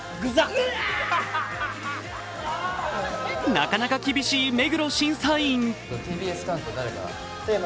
なかなか厳しい目黒審査員。